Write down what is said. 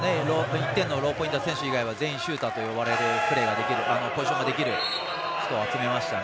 １点のローポインターの選手以外は全員シューターと呼ばれるポジションができる人を集めましたね。